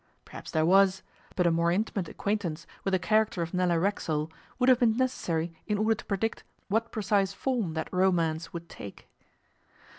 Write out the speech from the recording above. Perhaps there was, but a more intimate acquaintance with the character of Nella Racksole would have been necessary in order to predict what precise form that romance would take.